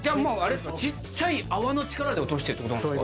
ちっちゃい泡の力で落としてるってことなんですか。